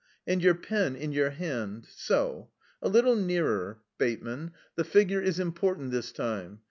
And your pen in your hand, so.... A little nearer, Bateman. The figure is important this time....